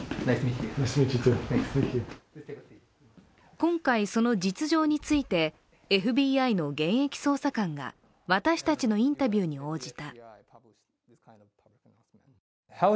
今回、その実情についてＦＢＩの現役捜査官が私たちのインタビューに応じた。